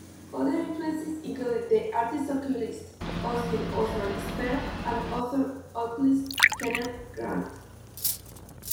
Other influences included the artist-occultist Austin Osman Spare and author-occultist Kenneth Grant.